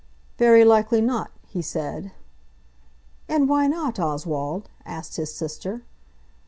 "Very likely not," he said. "And why not, Oswald?" asked his sister.